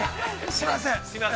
しません。